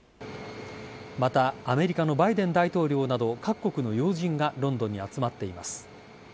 また、アメリカのバイデン大統領など各国の要人がロンドンに集まっています。